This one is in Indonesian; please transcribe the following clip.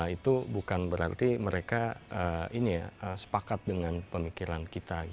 itu bukan berarti mereka sepakat dengan pemikiran kita